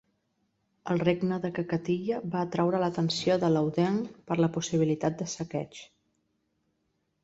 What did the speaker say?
El regne de Kakatiya va atraure l'atenció d'Alauddin per la possibilitat de saqueig.